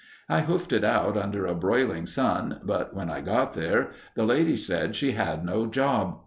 I hoofed it out under a broiling sun, but when I got there, the lady said she had no job.